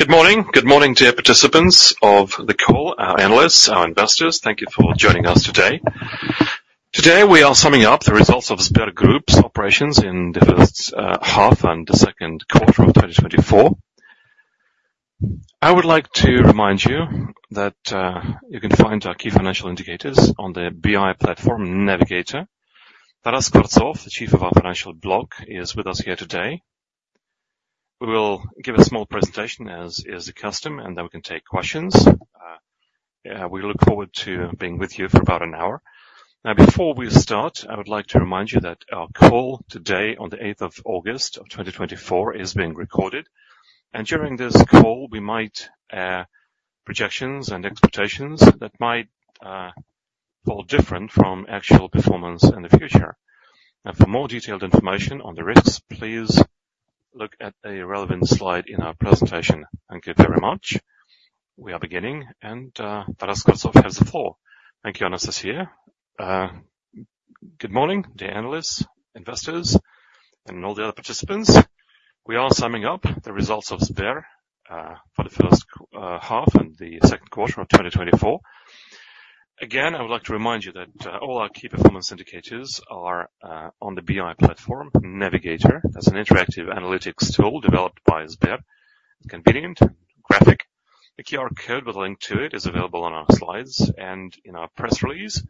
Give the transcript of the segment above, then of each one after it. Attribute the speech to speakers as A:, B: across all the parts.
A: Good morning. Good morning, dear participants of the call, our analysts, our investors. Thank you for joining us today. Today, we are summing up the results of Sberbank Group's operations in the first half and the second quarter of 2024. I would like to remind you that you can find our key financial indicators on the BI platform, Navigator. Taras Skvortsov, the chief of our Financial Block, is with us here today. We will give a small presentation, as is the custom, and then we can take questions. We look forward to being with you for about an hour. Now, before we start, I would like to remind you that our call today, on the 8th of August of 2024, is being recorded. During this call, we might have projections and expectations that might fall different from actual performance in the future. For more detailed information on the risks, please look at a relevant slide in our presentation. Thank you very much. We are beginning, and Taras Skvortsov has the floor.
B: Thank you, Anastasia. Good morning, dear analysts, investors, and all the other participants. We are summing up the results of Sberbank for the first half and the second quarter of 2024. Again, I would like to remind you that all our key performance indicators are on the BI platform, Navigator. That's an interactive analytics tool developed by Sberbank. It's convenient, graphic. The QR code with a link to it is available on our slides and in our press release.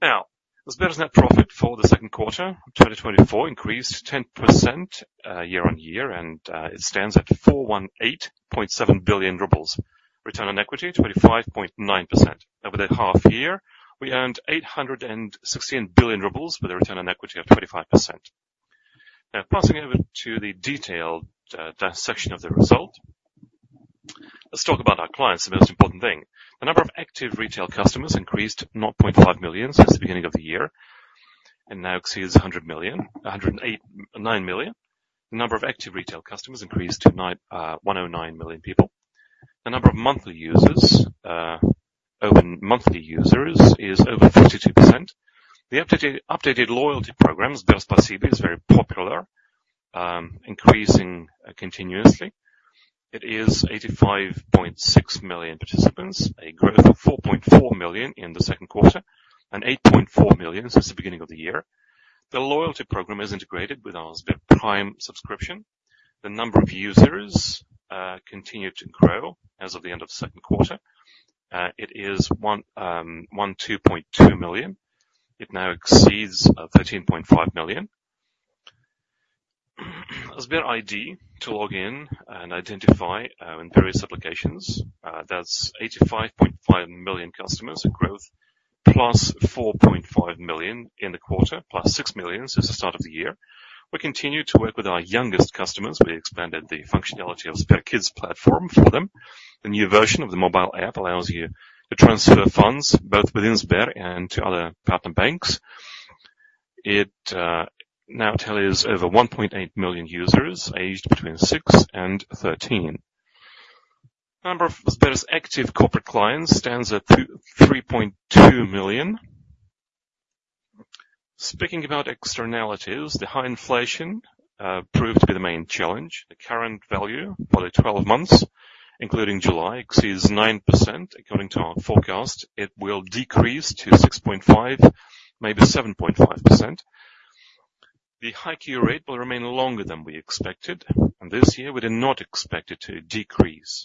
B: Now, Sberbank's net profit for the second quarter of 2024 increased 10% year on year, and it stands at 418.7 billion rubles. Return on equity, 25.9%. Over the half year, we earned 816 billion rubles with a return on equity of 25%. Now, passing over to the detailed section of the result, let's talk about our clients, the most important thing. The number of active retail customers increased 0.5 million since the beginning of the year and now exceeds 100 million, 109 million. The number of active retail customers increased to 109 million people. The number of monthly users is over 42%. The updated loyalty program, SberSpasibo, is very popular, increasing continuously. It is 85.6 million participants, a growth of 4.4 million in the second quarter and 8.4 million since the beginning of the year. The loyalty program is integrated with our SberPrime subscription. The number of users continued to grow as of the end of the second quarter. It is 12.2 million. It now exceeds 13.5 million. Sberbank ID to log in and identify in various applications. That's 85.5 million customers, a growth +4.5 million in the quarter, +6 million since the start of the year. We continue to work with our youngest customers. We expanded the functionality of SberKids platform for them. The new version of the mobile app allows you to transfer funds both within Sberbank and to other partner banks. It now tallies over 1.8 million users aged between six and 13. The number of Sberbank's active corporate clients stands at 3.2 million. Speaking about externalities, the high inflation proved to be the main challenge. The current value for the 12 months, including July, exceeds 9%. According to our forecast, it will decrease to 6.5%, maybe 7.5%. The high key rate will remain longer than we expected. This year, we did not expect it to decrease.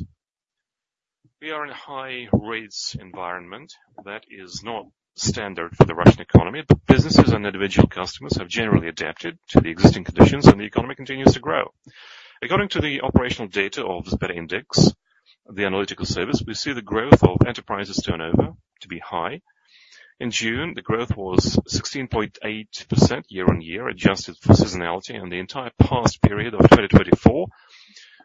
B: We are in a high rates environment. That is not standard for the Russian economy. Businesses and individual customers have generally adapted to the existing conditions, and the economy continues to grow. According to the operational data of SberIndex, the analytical service, we see the growth of enterprises turnover to be high. In June, the growth was 16.8% year-on-year, adjusted for seasonality. The entire past period of 2024,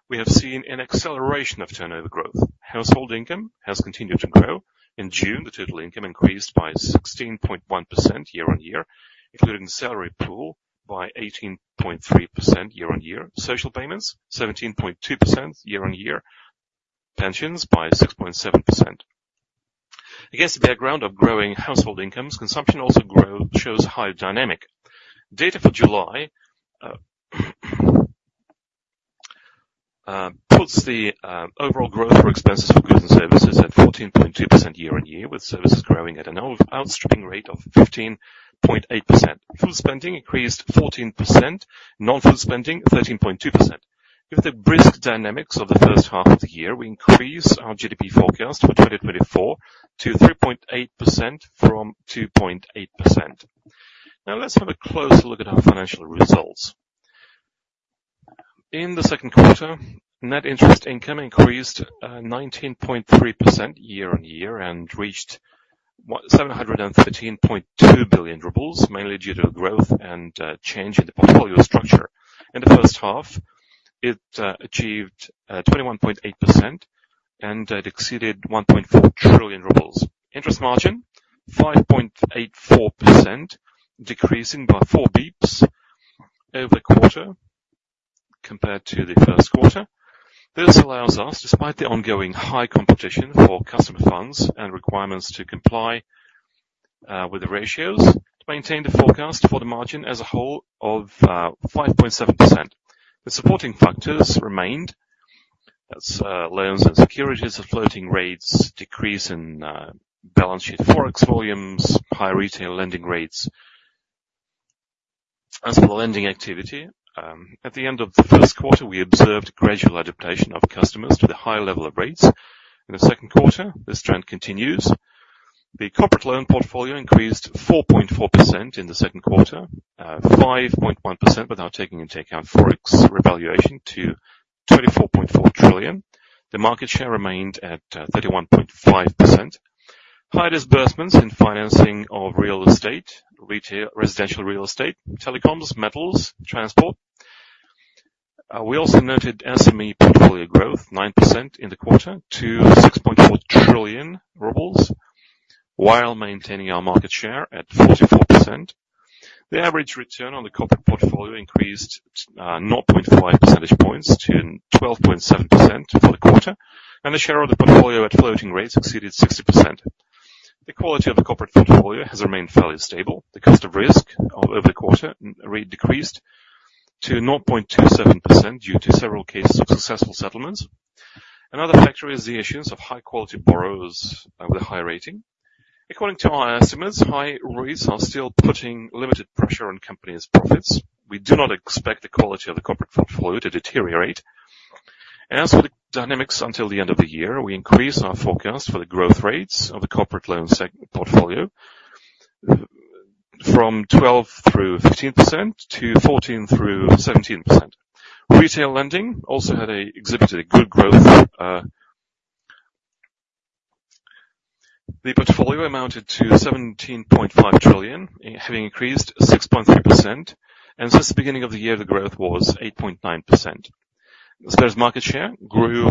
B: we have seen an acceleration of turnover growth. Household income has continued to grow. In June, the total income increased by 16.1% year-on-year, including the salary pool, by 18.3% year-on-year. Social payments, 17.2% year-on-year. Pensions by 6.7%. Against the background of growing household incomes, consumption also shows a high dynamic. Data for July puts the overall growth for expenses for goods and services at 14.2% year-on-year, with services growing at an outstripping rate of 15.8%. Food spending increased 14%. Non-food spending, 13.2%. With the brisk dynamics of the first half of the year, we increased our GDP forecast for 2024 to 3.8% from 2.8%. Now, let's have a closer look at our financial results. In the second quarter, net interest income increased 19.3% year-on-year and reached 713.2 billion rubles, mainly due to growth and change in the portfolio structure. In the first half, it achieved 21.8%, and it exceeded 1.4 trillion rubles. Interest margin, 5.84%, decreasing by four bps over the quarter compared to the first quarter. This allows us, despite the ongoing high competition for customer funds and requirements to comply with the ratios, to maintain the forecast for the margin as a whole of 5.7%. The supporting factors remained. That's loans and securities, floating rates, decrease in balance sheet forex volumes, high retail lending rates. As for the lending activity, at the end of the first quarter, we observed a gradual adaptation of customers to the high level of rates. In the second quarter, this trend continues. The corporate loan portfolio increased 4.4% in the second quarter, 5.1% without taking into account forex revaluation to 24.4 trillion. The market share remained at 31.5%. High disbursements in financing of real estate, retail, residential real estate, telecoms, metals, transport. We also noted SME portfolio growth, 9% in the quarter, to 6.4 trillion rubles, while maintaining our market share at 44%. The average return on the corporate portfolio increased 0.5 percentage points to 12.7% for the quarter, and the share of the portfolio at floating rates exceeded 60%. The quality of the corporate portfolio has remained fairly stable. The cost of risk over the quarter decreased to 0.27% due to several cases of successful settlements. Another factor is the issues of high-quality borrowers with a high rating. According to our estimates, high rates are still putting limited pressure on companies' profits. We do not expect the quality of the corporate portfolio to deteriorate. As for the dynamics until the end of the year, we increase our forecast for the growth rates of the corporate loan portfolio from 12%-15% to 14%-17%. Retail lending also had exhibited good growth. The portfolio amounted to 17.5 trillion, having increased 6.3%. And since the beginning of the year, the growth was 8.9%. Sberbank's market share grew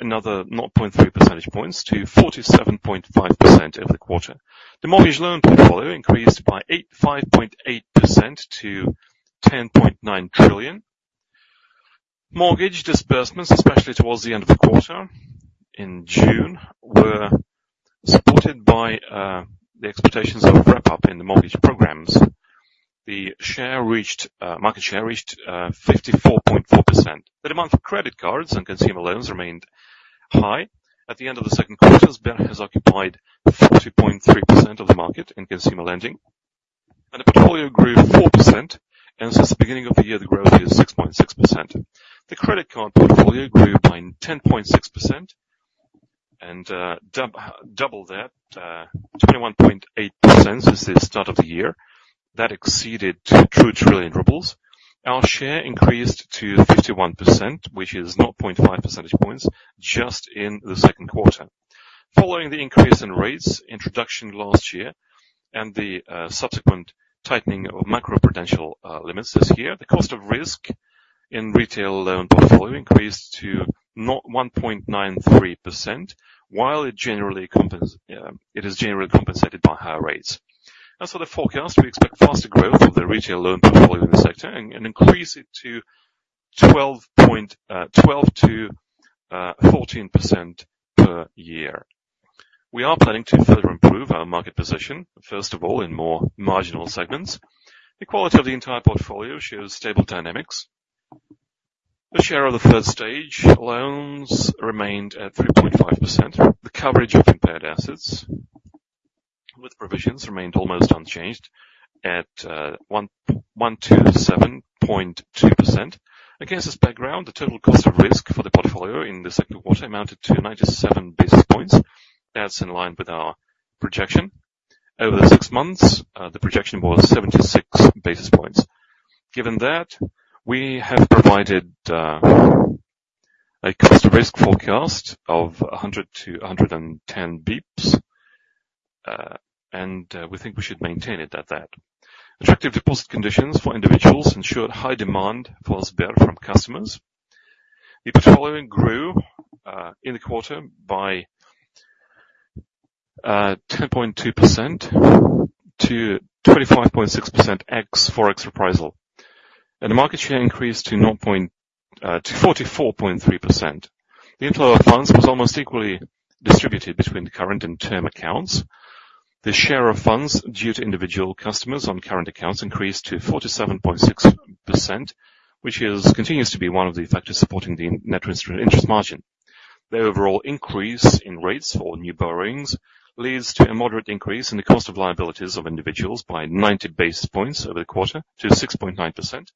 B: another 0.3 percentage points to 47.5% over the quarter. The mortgage loan portfolio increased by 5.8% to 10.9 trillion. Mortgage disbursements, especially towards the end of the quarter in June, were supported by the expectations of wrap-up in the mortgage programs. The market share reached 54.4%. The demand for credit cards and consumer loans remained high. At the end of the second quarter, Sberbank has occupied 40.3% of the market in consumer lending. The portfolio grew 4%. Since the beginning of the year, the growth is 6.6%. The credit card portfolio grew by 10.6% and doubled at 21.8% since the start of the year. That exceeded 2 trillion rubles. Our share increased to 51%, which is 0.5 percentage points just in the second quarter. Following the increase in rates introduction last year and the subsequent tightening of macroprudential limits this year, the cost of risk in retail loan portfolio increased to 1.93%, while it is generally compensated by higher rates. As for the forecast, we expect faster growth of the retail loan portfolio in the sector and increase it to 12%-14% per year. We are planning to further improve our market position, first of all, in more marginal segments. The quality of the entire portfolio shows stable dynamics. The share of the first-stage loans remained at 3.5%. The coverage of impaired assets with provisions remained almost unchanged at 127.2%. Against this background, the total cost of risk for the portfolio in the second quarter amounted to 97 basis points. That's in line with our projection. Over the six months, the projection was 76 basis points. Given that, we have provided a cost of risk forecast of 100-110 beeps, and we think we should maintain it at that. Attractive deposit conditions for individuals ensured high demand for Sberbank from customers. The portfolio grew in the quarter by 10.2% to 25.6% ex-forex re-pricing. The market share increased to 44.3%. The inflow of funds was almost equally distributed between current and term accounts. The share of funds due to individual customers on current accounts increased to 47.6%, which continues to be one of the factors supporting the net interest margin. The overall increase in rates for new borrowings leads to a moderate increase in the cost of liabilities of individuals by 90 basis points over the quarter to 6.9%.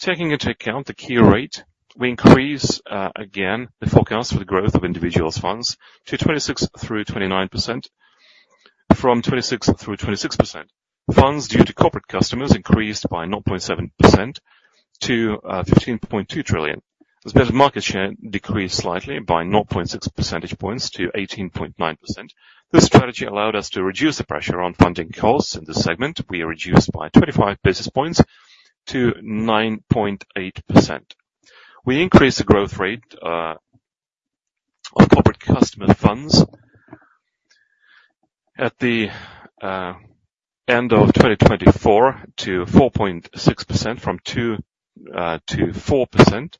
B: Taking into account the key rate, we increase again the forecast for the growth of individuals' funds to 26%-29% from 26%-26%. Funds due to corporate customers increased by 0.7% to 15.2 trillion. The Sberbank market share decreased slightly by 0.6 percentage points to 18.9%. This strategy allowed us to reduce the pressure on funding costs in the segment. We reduced by 25 basis points to 9.8%. We increased the growth rate of corporate customer funds at the end of 2024 to 4.6% from 2%-4%.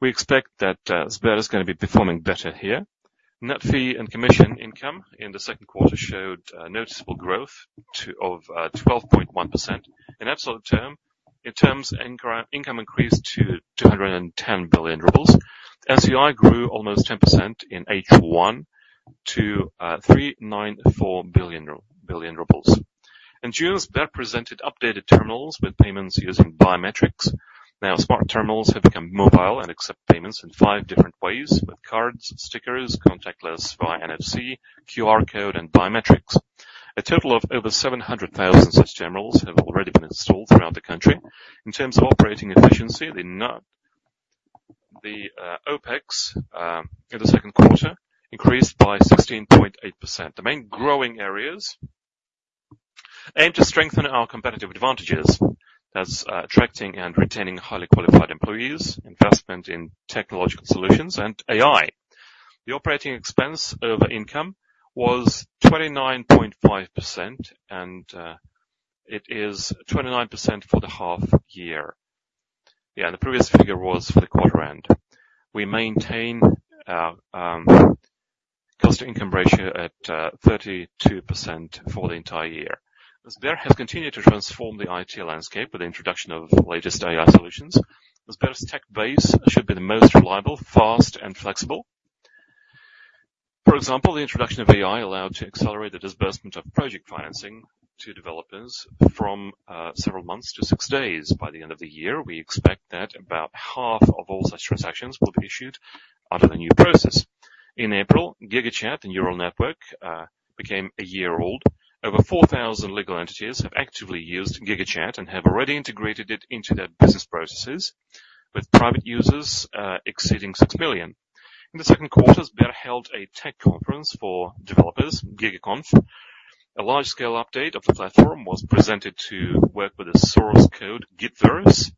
B: We expect that Sberbank is going to be performing better here. Net fee and commission income in the second quarter showed noticeable growth of 12.1%. In absolute term, income increased to 210 billion rubles. NFCI grew almost 10% in H1 to 394 billion rubles. In June, Sberbank presented updated terminals with payments using biometrics. Now, smart terminals have become mobile and accept payments in five different ways with cards, stickers, contactless via NFC, QR code, and biometrics. A total of over 700,000 such terminals have already been installed throughout the country. In terms of operating efficiency, the OPEX in the second quarter increased by 16.8%. The main growing areas aim to strengthen our competitive advantages. That's attracting and retaining highly qualified employees, investment in technological solutions, and AI. The operating expense over income was 29.5%, and it is 29% for the half year. Yeah, the previous figure was for the quarter end. We maintain a cost-to-income ratio at 32% for the entire year. Sberbank has continued to transform the IT landscape with the introduction of latest AI solutions. Sberbank's tech base should be the most reliable, fast, and flexible. For example, the introduction of AI allowed to accelerate the disbursement of project financing to developers from several months to six days. By the end of the year, we expect that about half of all such transactions will be issued under the new process. In April, GigaChat and Neural Network became a year old. Over 4,000 legal entities have actively used GigaChat and have already integrated it into their business processes, with private users exceeding 6 million. In the second quarter, Sberbank held a tech conference for developers, GigaConf. A large-scale update of the platform was presented to work with the source code GitVerse.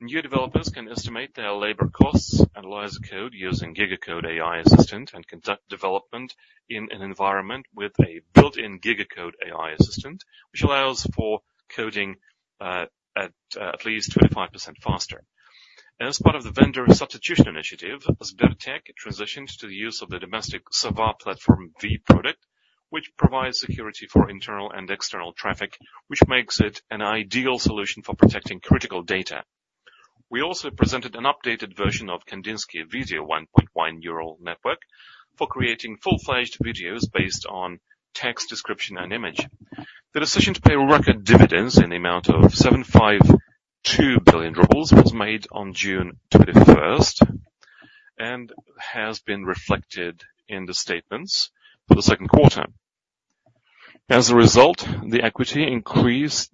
B: New developers can estimate their labor costs, analyze code using GigaCode AI Assistant, and conduct development in an environment with a built-in GigaCode AI Assistant, which allows for coding at least 25% faster.
A: As part of the vendor substitution initiative, Sberbank transitioned to the use of the domestic Platform V product, which provides security for internal and external traffic, which makes it an ideal solution for protecting critical data. We also presented an updated version of Kandinsky Video 1.1 Neural Network for creating full-fledged videos based on text, description, and image. The decision to pay record dividends in the amount of 752 billion rubles was made on June 21st and has been reflected in the statements for the second quarter. As a result, the equity decreased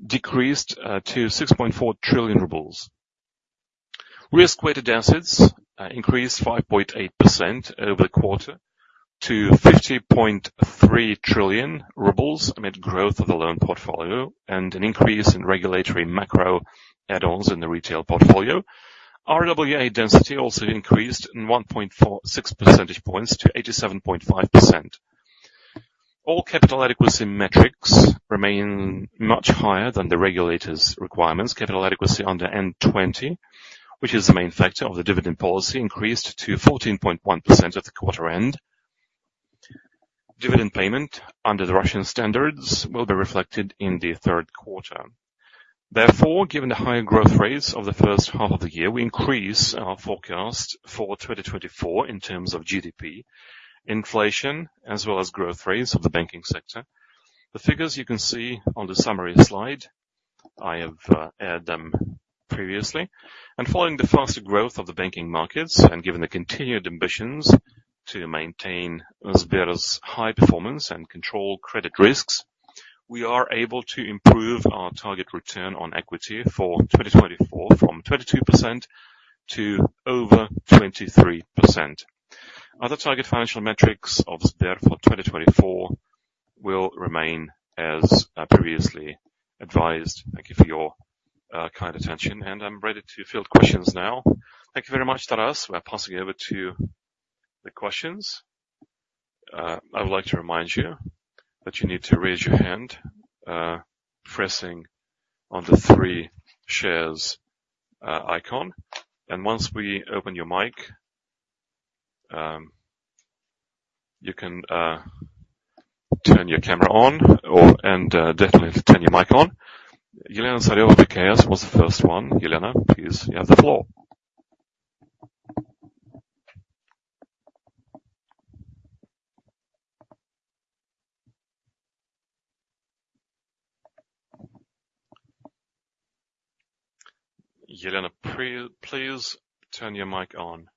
A: to 6.4 trillion rubles. Risk-weighted assets increased 5.8% over the quarter to 50.3 trillion rubles amid growth of the loan portfolio and an increase in regulatory macro add-ons in the retail portfolio. RWA density also increased in 1.6 percentage points to 87.5%. All capital adequacy metrics remain much higher than the regulator's requirements. Capital adequacy under N1.0, which is the main factor of the dividend policy, increased to 14.1% at the quarter end. Dividend payment under the Russian standards will be reflected in the third quarter. Therefore, given the higher growth rates of the first half of the year, we increase our forecast for 2024 in terms of GDP, inflation, as well as growth rates of the banking sector. The figures you can see on the summary slide, I have aired them previously. And following the faster growth of the banking markets and given the continued ambitions to maintain Sberbank's high performance and control credit risks, we are able to improve our target return on equity for 2024 from 22% to over 23%. Other target financial metrics of Sberbank for 2024 will remain as previously advised. Thank you for your kind attention, and I'm ready to field questions now. Thank you very much, Taras. We're passing over to the questions. I would like to remind you that you need to raise your hand, pressing on the three shares icon. Once we open your mic, you can turn your camera on and definitely turn your mic on. Yelena Tsareva-Bekayas was the first one. Yelena, please, you have the floor. Yelena, please turn your mic on.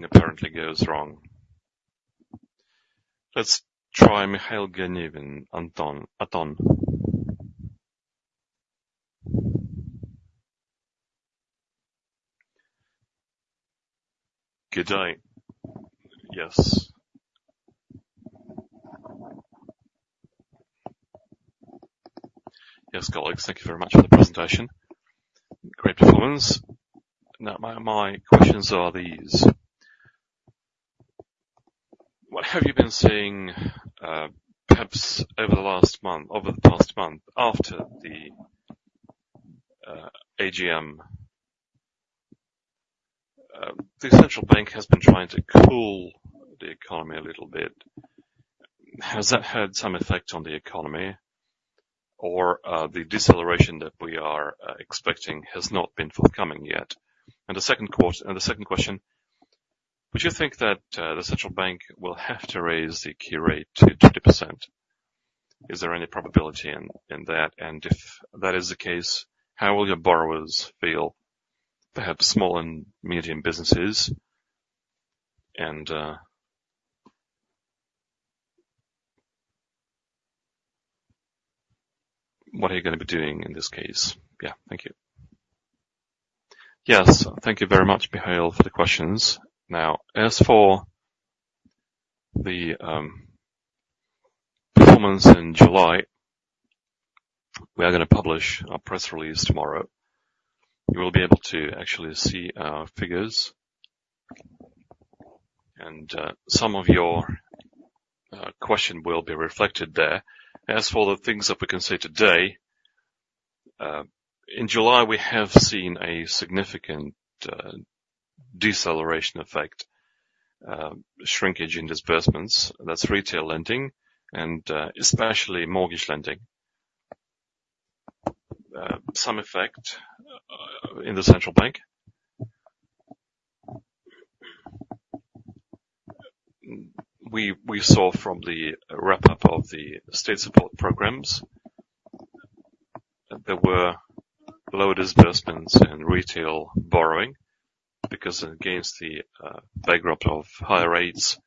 A: Something apparently goes wrong. Let's try Mikhail Ganelin, Aton.
C: Good day. Yes. Yes, colleagues, thank you very much for the presentation. Great performance. Now, my questions are these. What have you been seeing perhaps over the past month after the AGM? The central bank has been trying to cool the economy a little bit. Has that had some effect on the economy? Or the deceleration that we are expecting has not been fulfilling yet? The second question, would you think that the central bank will have to raise the key rate to 20%? Is there any probability in that? And if that is the case, how will your borrowers feel, perhaps small and medium businesses? And what are you going to be doing in this case?
B: Yeah, thank you. Yes, thank you very much, Mikhail, for the questions. Now, as for the performance in July, we are going to publish our press release tomorrow. You will be able to actually see our figures. And some of your questions will be reflected there. As for the things that we can say today, in July, we have seen a significant deceleration effect, shrinkage in disbursements. That's retail lending and especially mortgage lending. Some effect in the central bank. We saw from the wrap-up of the state support programs, there were low disbursements in retail borrowing because against the backdrop of higher rates,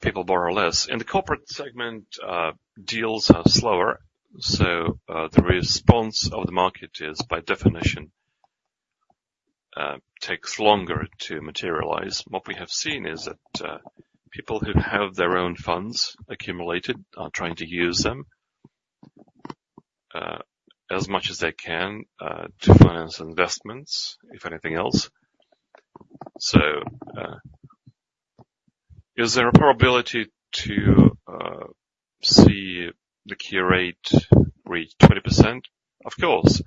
B: people borrow less. In the corporate segment, deals are slower, so the response of the market is, by definition, takes longer to materialize. What we have seen is that people who have their own funds accumulated are trying to use them as much as they can to finance investments, if anything else. So is there a probability to see the key rate reach 20%? Of course.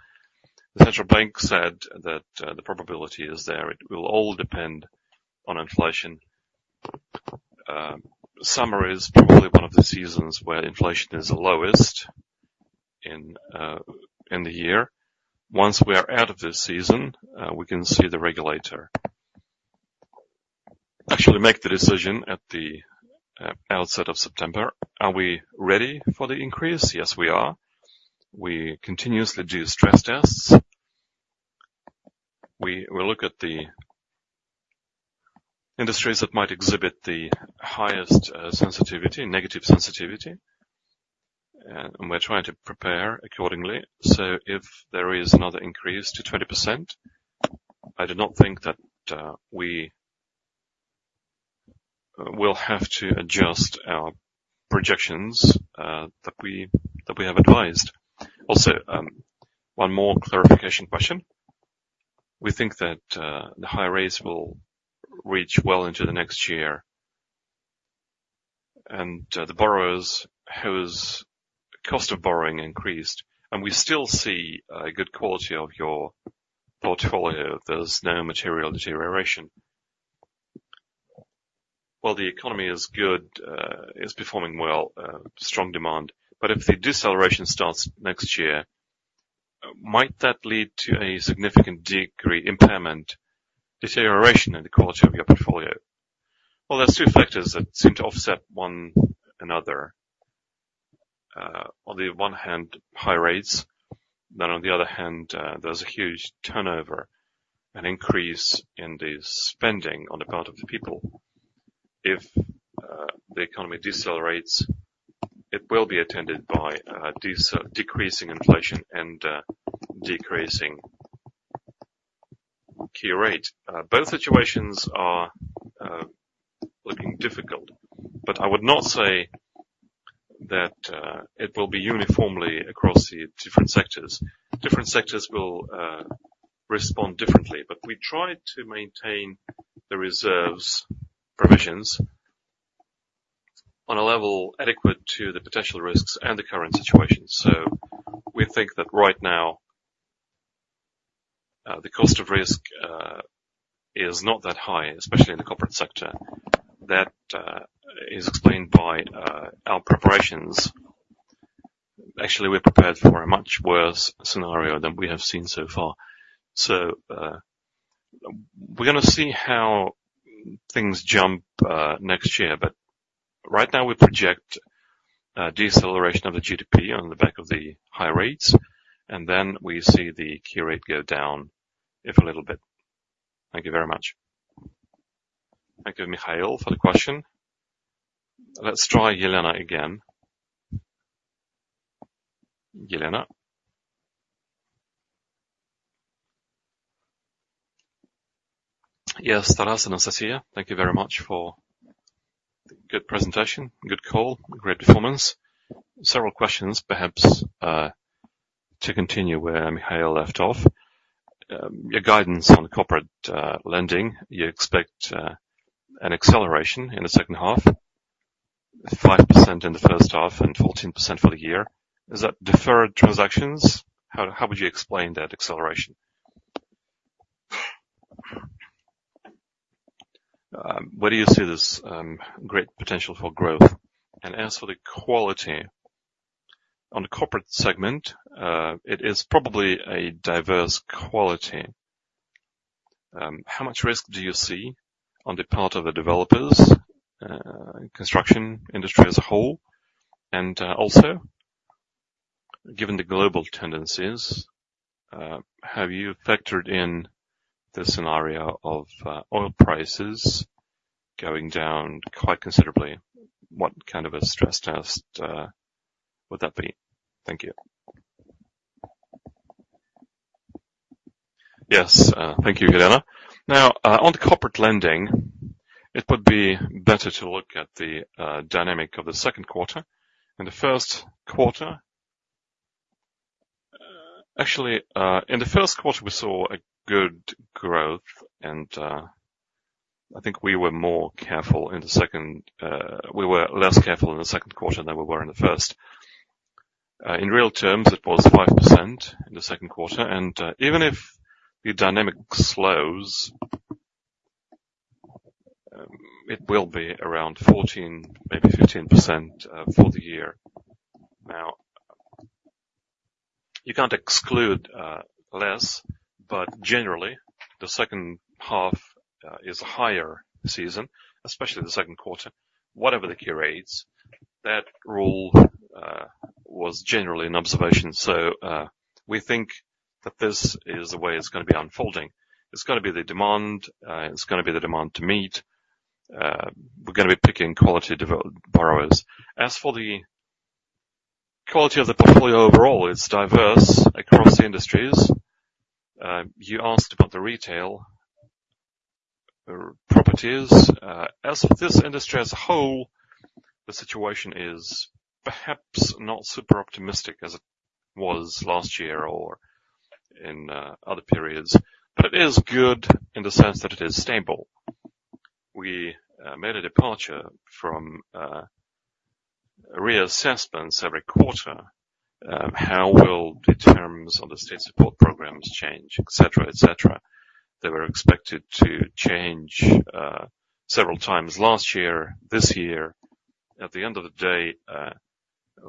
B: The central bank said that the probability is there. It will all depend on inflation. Summer is probably one of the seasons where inflation is the lowest in the year. Once we are out of this season, we can see the regulator actually make the decision at the outset of September. Are we ready for the increase? Yes, we are. We continuously do stress tests. We will look at the industries that might exhibit the highest sensitivity, negative sensitivity. We're trying to prepare accordingly. If there is another increase to 20%, I do not think that we will have to adjust our projections that we have advised. Also, one more clarification question. We think that the high rates will reach well into the next year. The borrowers whose cost of borrowing increased, and we still see a good quality of your portfolio, there's no material deterioration. Well, the economy is good, is performing well, strong demand. But if the deceleration starts next year, might that lead to a significant degree impairment, deterioration in the quality of your portfolio? Well, there's two factors that seem to offset one another. On the one hand, high rates. Then on the other hand, there's a huge turnover and increase in the spending on the part of the people. If the economy decelerates, it will be attended by decreasing inflation and decreasing Key rate. Both situations are looking difficult, but I would not say that it will be uniformly across the different sectors. Different sectors will respond differently, but we try to maintain the reserves, provisions on a level adequate to the potential risks and the current situation. So we think that right now, the cost of risk is not that high, especially in the corporate sector. That is explained by our preparations. Actually, we're prepared for a much worse scenario than we have seen so far. So we're going to see how things jump next year, but right now, we project deceleration of the GDP on the back of the high rates, and then we see the key rate go down a little bit. Thank you very much.
A: Thank you, Mikhail, for the question. Let's try Yelena again. Yelena.
D: Yes, Taras and Nastasiya, thank you very much for the good presentation, good call, great performance. Several questions, perhaps to continue where Mikhail left off. Your guidance on corporate lending, you expect an acceleration in the second half, 5% in the first half, and 14% for the year. Is that deferred transactions? How would you explain that acceleration? Where do you see this great potential for growth? And as for the quality, on the corporate segment, it is probably a diverse quality. How much risk do you see on the part of the developers, construction industry as a whole? And also, given the global tendencies, have you factored in the scenario of oil prices going down quite considerably? What kind of a stress test would that be? Thank you.
B: Yes, thank you, Yelena. Now, on the corporate lending, it would be better to look at the dynamic of the second quarter. In the first quarter, actually, in the first quarter, we saw a good growth, and I think we were more careful in the second. We were less careful in the second quarter than we were in the first. In real terms, it was 5% in the second quarter. And even if the dynamic slows, it will be around 14%, maybe 15% for the year. Now, you can't exclude less, but generally, the second half is a higher season, especially the second quarter, whatever the key rates. That rule was generally an observation. So we think that this is the way it's going to be unfolding. It's going to be the demand. It's going to be the demand to meet. We're going to be picking quality borrowers. As for the quality of the portfolio overall, it's diverse across industries. You asked about the retail properties. As for this industry as a whole, the situation is perhaps not super optimistic as it was last year or in other periods. But it is good in the sense that it is stable. We made a departure from reassessments every quarter. How will the terms on the state support programs change, etc., etc.? They were expected to change several times last year, this year. At the end of the day,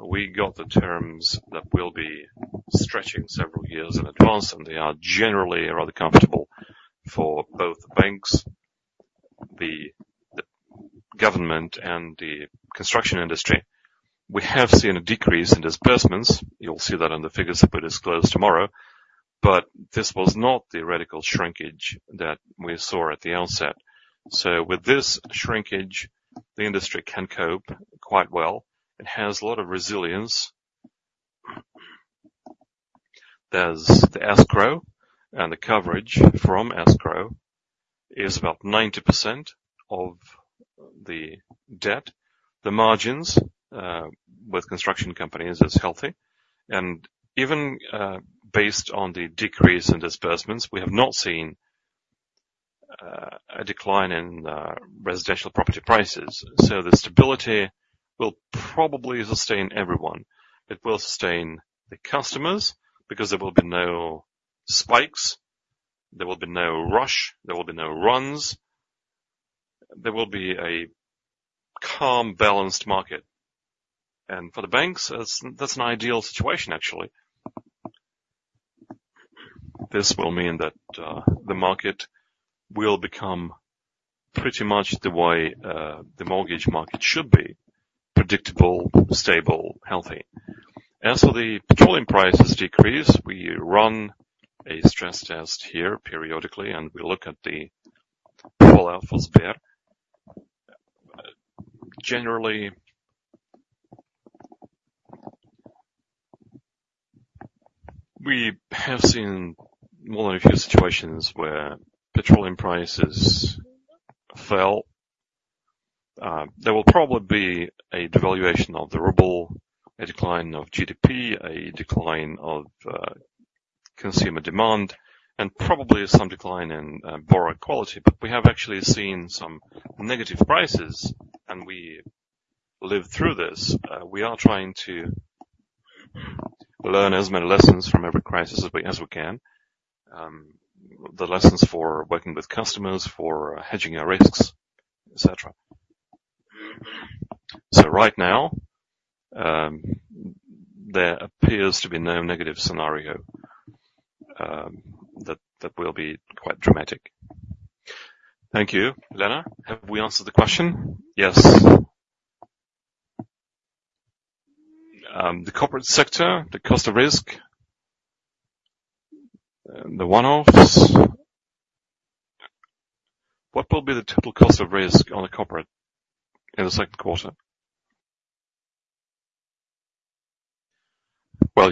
B: we got the terms that will be stretching several years in advance, and they are generally rather comfortable for both banks, the government, and the construction industry. We have seen a decrease in disbursements. You'll see that in the figures that we disclose tomorrow. But this was not the radical shrinkage that we saw at the outset. So with this shrinkage, the industry can cope quite well. It has a lot of resilience. There's the escrow, and the coverage from escrow is about 90% of the debt. The margins with construction companies are healthy. And even based on the decrease in disbursements, we have not seen a decline in residential property prices. So the stability will probably sustain everyone. It will sustain the customers because there will be no spikes. There will be no rush. There will be no runs. There will be a calm, balanced market. For the banks, that's an ideal situation, actually. This will mean that the market will become pretty much the way the mortgage market should be: predictable, stable, healthy. As for the petroleum prices decrease, we run a stress test here periodically, and we look at the fallout for Sber. Generally, we have seen more than a few situations where petroleum prices fell. There will probably be a devaluation of the ruble, a decline of GDP, a decline of consumer demand, and probably some decline in borrower quality. But we have actually seen some negative prices, and we live through this. We are trying to learn as many lessons from every crisis as we can, the lessons for working with customers, for hedging our risks, etc. Right now, there appears to be no negative scenario that will be quite dramatic. Thank you, Yelena. Have we answered the question?
D: Yes.
B: The corporate sector, the cost of risk, the one-offs. What will be the total cost of risk on the corporate in the second quarter? Well,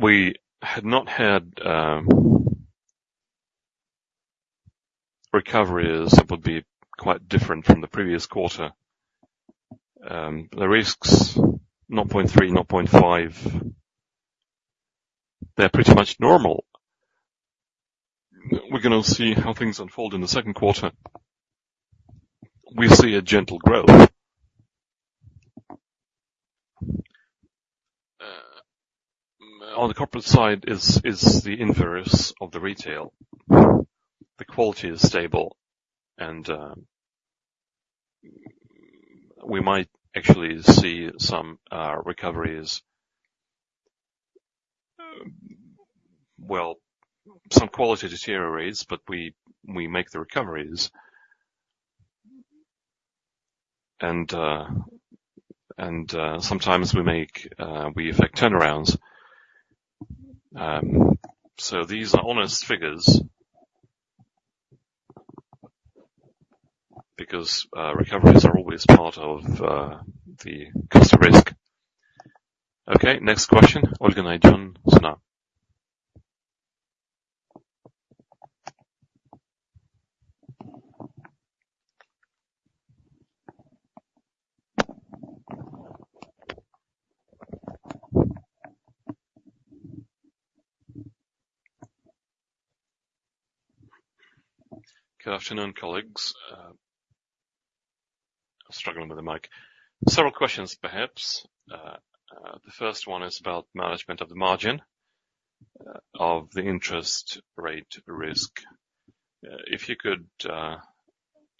B: we had not had recoveries that would be quite different from the previous quarter. The risks, 0.3, 0.5, they're pretty much normal. We're going to see how things unfold in the second quarter. We see a gentle growth. On the corporate side is the inverse of the retail. The quality is stable, and we might actually see some recoveries. Well, some quality deteriorates, but we make the recoveries. And sometimes we make we effect turnarounds. So these are honest figures because recoveries are always part of the cost of risk. Okay, next question. What are you going to address now? Good afternoon, colleagues. I'm struggling with the mic. Several questions, perhaps. The first one is about management of the margin of the interest rate risk. If you could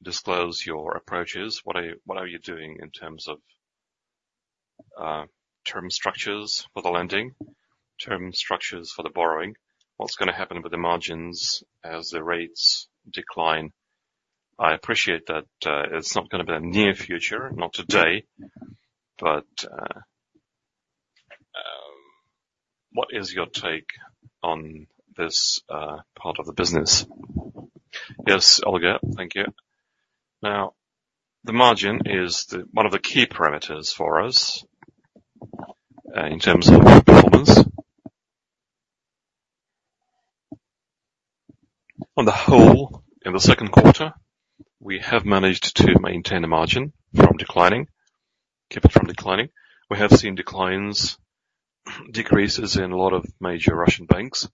B: disclose your approaches, what are you doing in terms of term structures for the lending, term structures for the borrowing? What's going to happen with the margins as the rates decline? I appreciate that it's not going to be in the near future, not today, but what is your take on this part of the business? Yes, Olga, thank you. Now, the margin is one of the key parameters for us in terms of performance. On the whole, in the second quarter, we have managed to maintain the margin from declining, keep it from declining. We have seen declines, decreases in a lot of major Russian banks.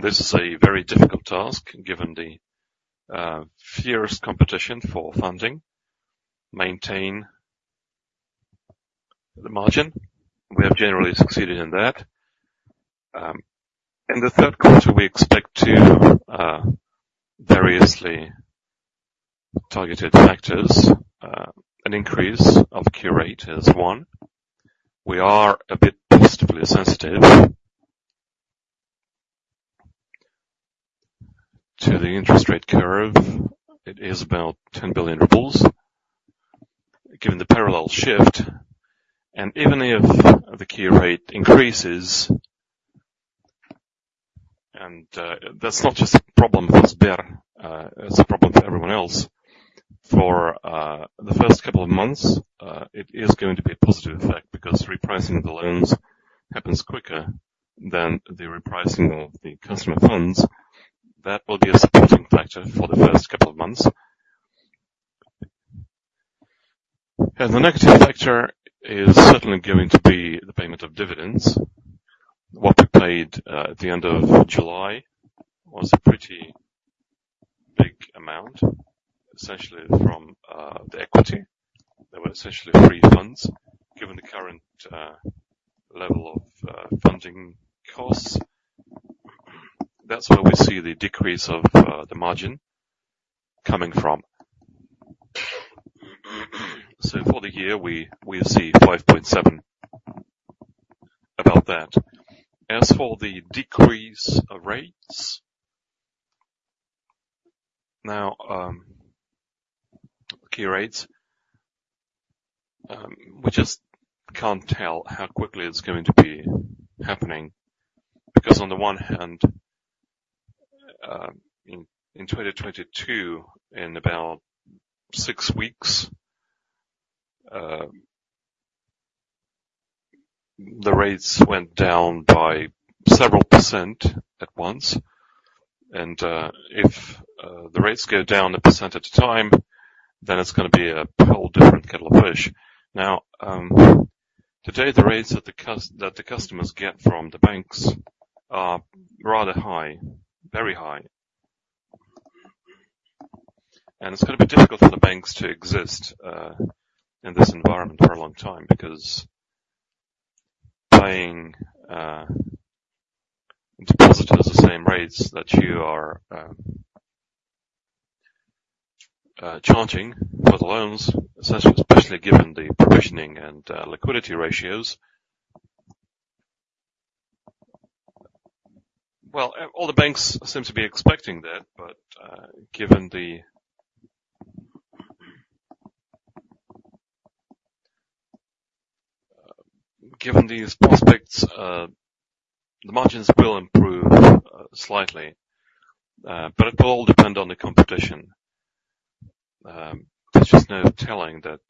B: This is a very difficult task given the fierce competition for funding, maintain the margin. We have generally succeeded in that. In the third quarter, we expect two variously targeted factors. An increase of key rate is one. We are a bit positively sensitive to the interest rate curve. It is about 10 billion rubles given the parallel shift. And even if the key rate increases, and that's not just a problem for Sber, it's a problem for everyone else. For the first couple of months, it is going to be a positive effect because repricing the loans happens quicker than the repricing of the customer funds. That will be a supporting factor for the first couple of months. And the negative factor is certainly going to be the payment of dividends. What we paid at the end of July was a pretty big amount, essentially from the equity. There were essentially free funds. Given the current level of funding costs, that's where we see the decrease of the margin coming from. So for the year, we see 5.7, about that. As for the decrease of rates, now, key rates, we just can't tell how quickly it's going to be happening because on the one hand, in 2022, in about six weeks, the rates went down by several percent at once. And if the rates go down 1% at a time, then it's going to be a whole different kettle of fish. Now, today, the rates that the customers get from the banks are rather high, very high. And it's going to be difficult for the banks to exist in this environment for a long time because paying depositors the same rates that you are charging for the loans, especially given the provisioning and liquidity ratios. Well, all the banks seem to be expecting that, but given these prospects, the margins will improve slightly. But it will all depend on the competition. There's just no telling that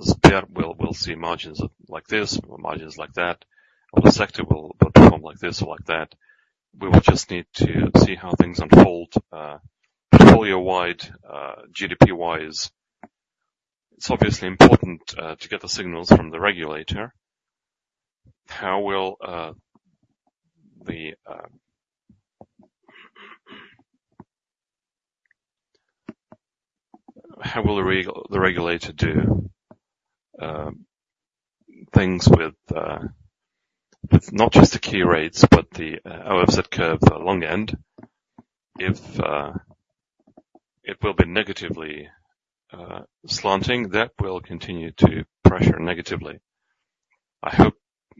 B: Sber will see margins like this, margins like that. The sector will perform like this or like that. We will just need to see how things unfold portfolio-wide, GDP-wise. It's obviously important to get the signals from the regulator. How will the regulator do things with not just the key rates, but the OFZ curve for the long end? If it will be negatively slanting, that will continue to pressure negatively.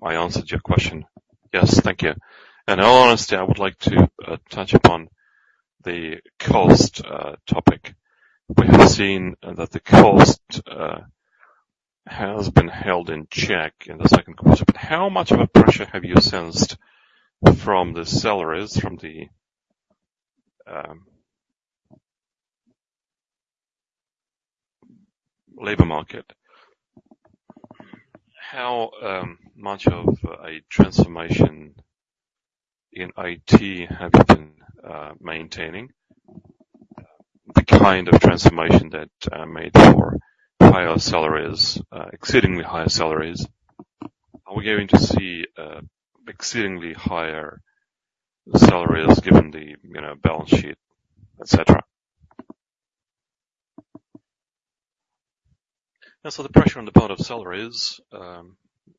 B: I hope I answered your question. Yes, thank you. And in all honesty, I would like to touch upon the cost topic. We have seen that the cost has been held in check in the second quarter. But how much of a pressure have you sensed from the salaries, from the labor market? How much of a transformation in IT have you been maintaining? The kind of transformation that made for higher salaries, exceedingly higher salaries. Are we going to see exceedingly higher salaries given the balance sheet, etc.? And so the pressure on the part of salaries,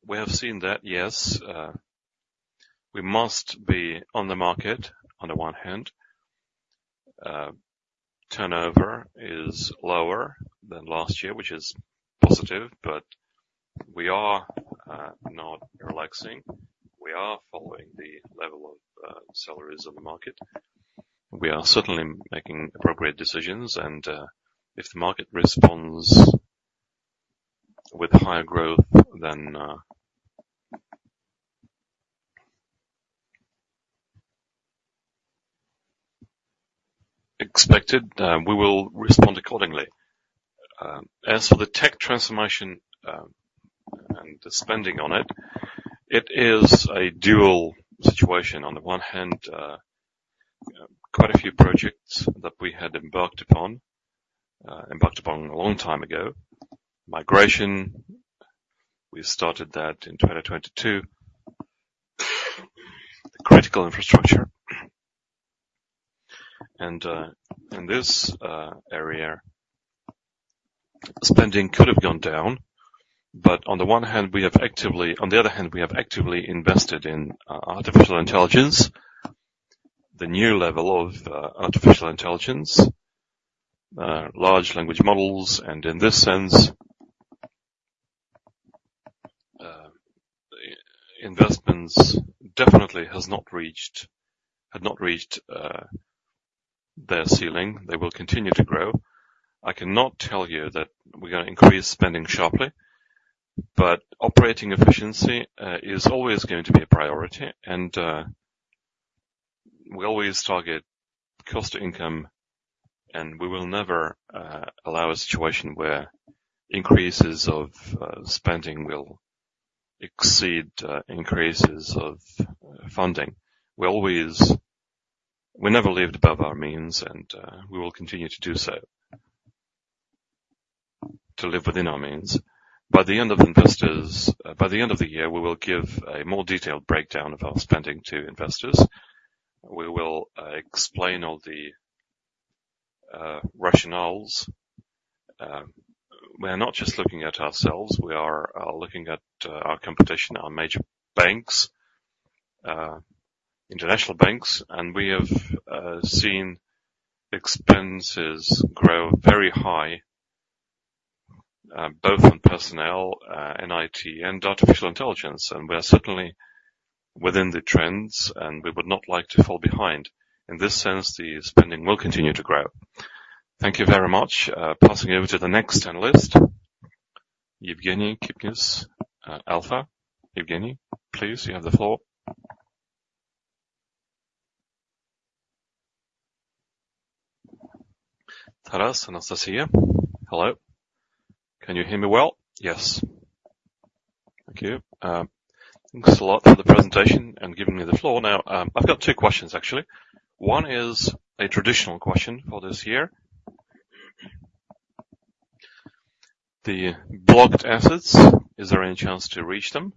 B: we have seen that, yes. We must be on the market, on the one hand. Turnover is lower than last year, which is positive, but we are not relaxing. We are following the level of salaries on the market. We are certainly making appropriate decisions, and if the market responds with higher growth than expected, we will respond accordingly. As for the tech transformation and the spending on it, it is a dual situation. On the one hand, quite a few projects that we had embarked upon, embarked upon a long time ago. Migration, we started that in 2022. Critical infrastructure. And in this area, spending could have gone down, but on the one hand, we have actively on the other hand, we have actively invested in artificial intelligence, the new level of artificial intelligence, large language models. And in this sense, investments definitely have not reached their ceiling. They will continue to grow. I cannot tell you that we're going to increase spending sharply, but operating efficiency is always going to be a priority. And we always target cost to income, and we will never allow a situation where increases of spending will exceed increases of funding. We never lived above our means, and we will continue to do so, to live within our means. By the end of investors, by the end of the year, we will give a more detailed breakdown of our spending to investors. We will explain all the rationales. We are not just looking at ourselves. We are looking at our competition, our major banks, international banks. And we have seen expenses grow very high, both on personnel, NIT, and artificial intelligence. And we are certainly within the trends, and we would not like to fall behind. In this sense, the spending will continue to grow. Thank you very much. Passing over to the next analyst, Evgeny Kipnis, Alfa-. Evgeny, please, you have the floor.
E: Taras, Anastasia, hello. Can you hear me well? Yes. Thank you. Thanks a lot for the presentation and giving me the floor. Now, I've got two questions, actually. One is a traditional question for this year. The blocked assets, is there any chance to reach them?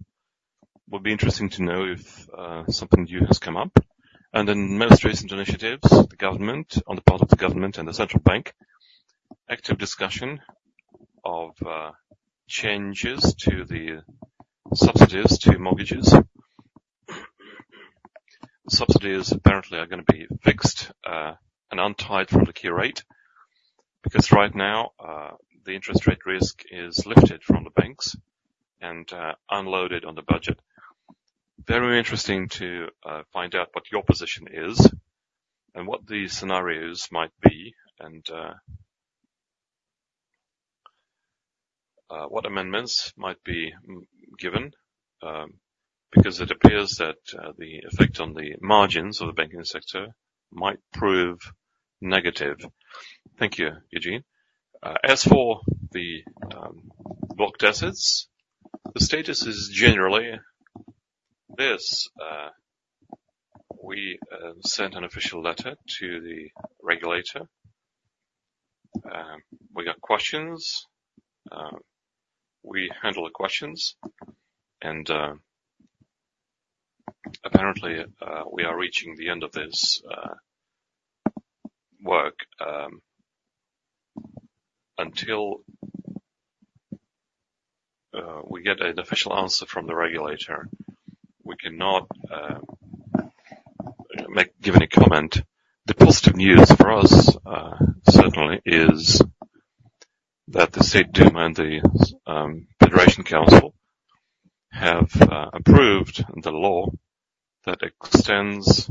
E: Would be interesting to know if something new has come up. Then most recent initiatives, the government, on the part of the government and the central bank, active discussion of changes to the subsidies to mortgages. Subsidies apparently are going to be fixed and untied from the key rate because right now, the interest rate risk is lifted from the banks and unloaded on the budget. Very interesting to find out what your position is and what the scenarios might be and what amendments might be given because it appears that the effect on the margins of the banking sector might prove negative.
B: Thank you, Eugene. As for the blocked assets, the status is generally this. We sent an official letter to the regulator. We got questions. We handle the questions. Apparently, we are reaching the end of this work until we get an official answer from the regulator. We cannot give any comment. The positive news for us certainly is that the State Duma and the Federation Council have approved the law that extends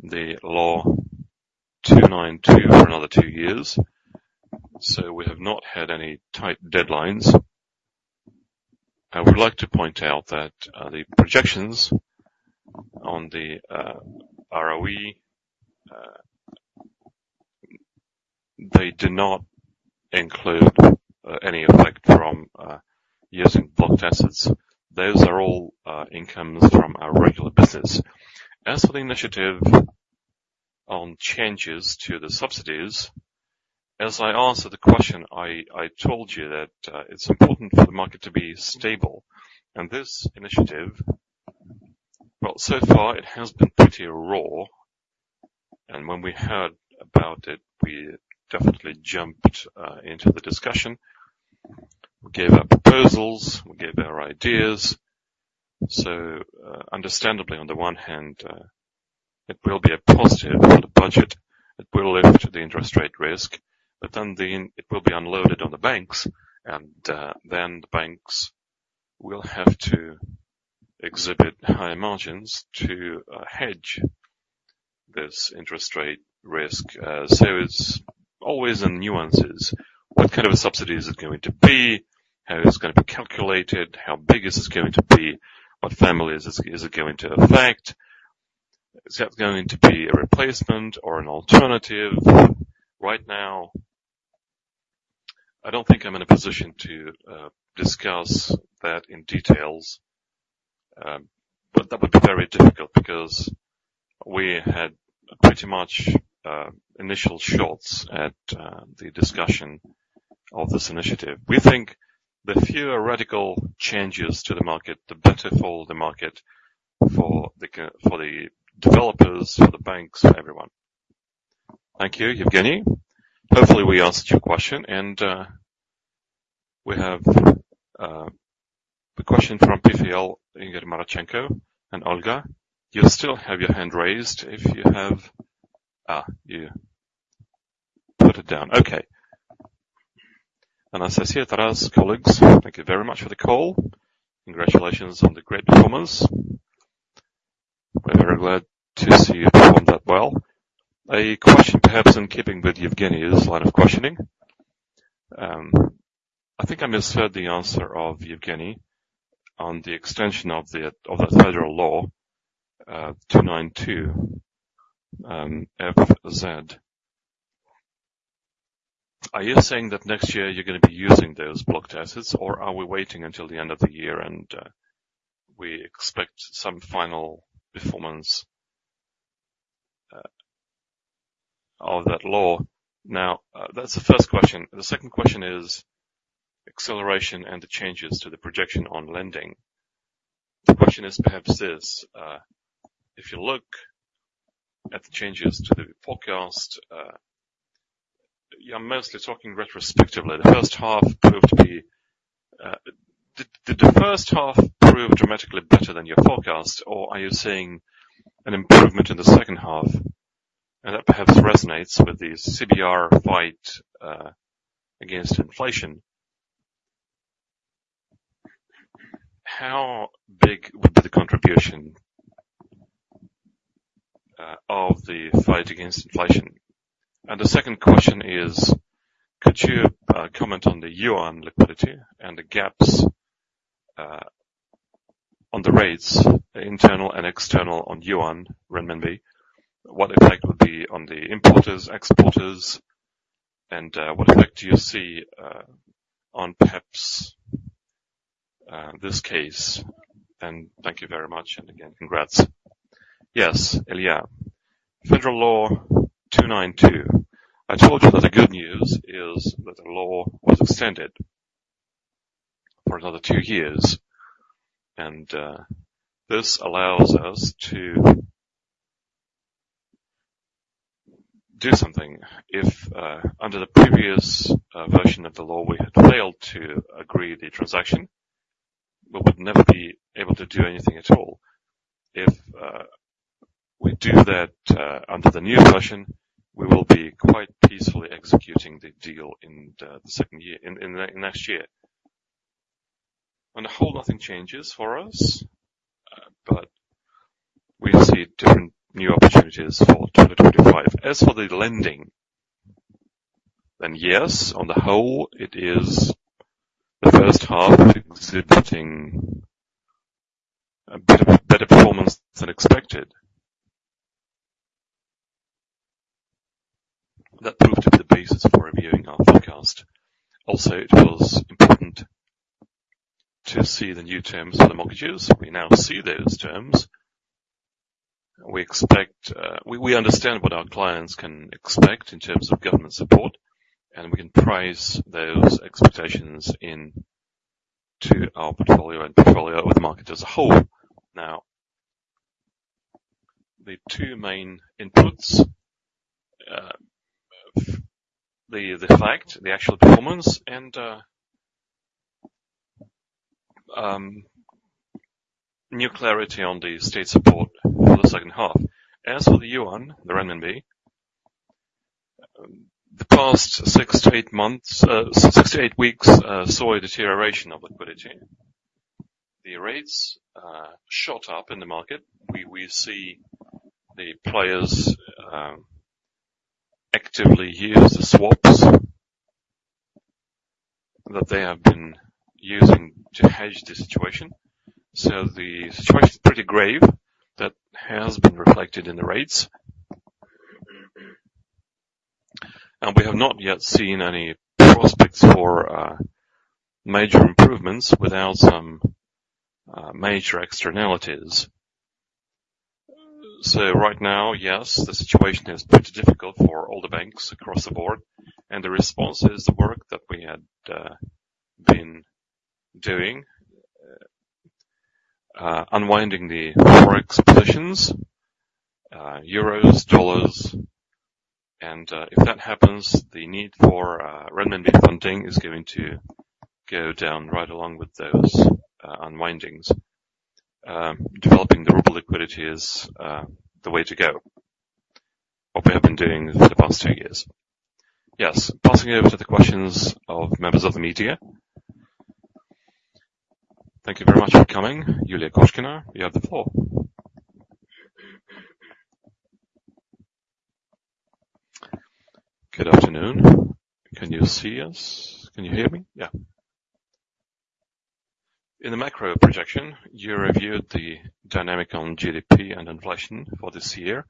B: the law 292 for another two years. We have not had any tight deadlines. I would like to point out that the projections on the ROE, they do not include any effect from using blocked assets. Those are all incomes from our regular business. As for the initiative on changes to the subsidies, as I answered the question, I told you that it's important for the market to be stable. And this initiative, well, so far, it has been pretty raw. And when we heard about it, we definitely jumped into the discussion. We gave our proposals. We gave our ideas. So understandably, on the one hand, it will be a positive for the budget. It will lift the interest rate risk. But then it will be unloaded on the banks. And then the banks will have to exhibit high margins to hedge this interest rate risk. So it's always in nuances. What kind of a subsidy is it going to be? How is it going to be calculated? How big is it going to be? What families is it going to affect? Is that going to be a replacement or an alternative? Right now, I don't think I'm in a position to discuss that in details. But that would be very difficult because we had pretty much initial shots at the discussion of this initiative. We think the fewer radical changes to the market, the better for the market, for the developers, for the banks, for everyone. Thank you, Evgeny.
A: Hopefully, we answered your question. We have a question from PFL Ingrid Marachenko and Olga. You still have your hand raised if you have put it down.
F: Okay. Anastasia, Taras, colleagues, thank you very much for the call. Congratulations on the great performance. We're very glad to see you perform that well. A question, perhaps in keeping with Evgeny's line of questioning. I think I misheard the answer of Evgeny on the extension of that federal law 292 FZ. Are you saying that next year you're going to be using those blocked assets, or are we waiting until the end of the year and we expect some final performance of that law? Now, that's the first question. The second question is acceleration and the changes to the projection on lending. The question is perhaps this. If you look at the changes to the forecast, you're mostly talking retrospectively. Did the first half prove dramatically better than your forecast, or are you seeing an improvement in the second half? And that perhaps resonates with the CBR fight against inflation. How big would be the contribution of the fight against inflation? And the second question is, could you comment on the yuan liquidity and the gaps on the rates, internal and external on yuan renminbi? What effect would be on the importers, exporters, and what effect do you see on perhaps this case? And thank you very much. And again, congrats.
B: Yes, Ilya, federal law 292. I told you that the good news is that the law was extended for another 2 years. And this allows us to do something. If under the previous version of the law, we had failed to agree the transaction, we would never be able to do anything at all. If we do that under the new version, we will be quite peacefully executing the deal in the second year, in the next year. On the whole, nothing changes for us, but we see different new opportunities for 2025. As for the lending, then yes, on the whole, it is the first half exhibiting a bit of better performance than expected. That proved to be the basis for reviewing our forecast. Also, it was important to see the new terms for the mortgages. We now see those terms. We understand what our clients can expect in terms of government support, and we can price those expectations into our portfolio and portfolio of the market as a whole. Now, the two main inputs of the fact, the actual performance and new clarity on the state support for the second half. As for the yuan, the renminbi, the past six to eight months, six to eight weeks saw a deterioration of liquidity. The rates shot up in the market. We see the players actively use the swaps that they have been using to hedge the situation. So the situation is pretty grave that has been reflected in the rates. And we have not yet seen any prospects for major improvements without some major externalities. So right now, yes, the situation is pretty difficult for all the banks across the board. And the response is the work that we had been doing, unwinding the forex positions, euros, dollars. And if that happens, the need for renminbi funding is going to go down right along with those unwindings. Developing the ruble liquidity is the way to go, what we have been doing for the past two years.
A: Yes, passing over to the questions of members of the media. Thank you very much for coming. Yulia Koshkina, you have the floor. Good afternoon. Can you see us? Can you hear me? Yeah. In the macro projection, you reviewed the dynamics on GDP and inflation for this year.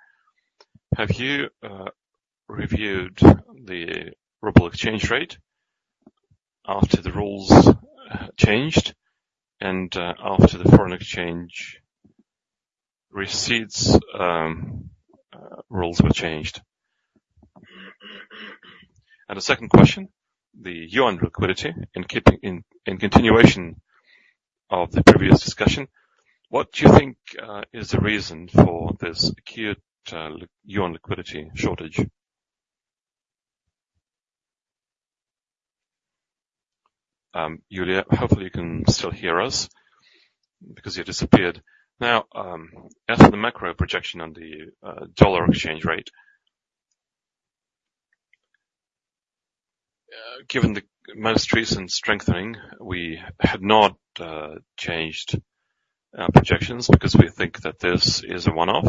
A: Have you reviewed the ruble exchange rate after the rules changed and after the foreign exchange receipts rules were changed? And the second question, the yuan liquidity in continuation of the previous discussion, what do you think is the reason for this acute yuan liquidity shortage?
B: Yulia, hopefully, you can still hear us because you disappeared. Now, as for the macro projection on the dollar exchange rate, given the most recent strengthening, we had not changed our projections because we think that this is a one-off.